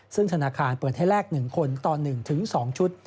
ซึ่งธนาคารเปิดให้แลก๑คนต่อ๑๒ชุด